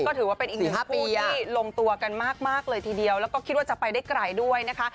ก็ถือว่าเป็นอีกหนึ่งปีที่ลงตัวกันมากเลยทีเดียวแล้วก็คิดว่าจะไปได้ไกลด้วยนะคะ